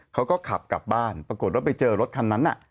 เขาก็ขับกลับบ้านปรากฏว่าไปเจอรถคันนั้น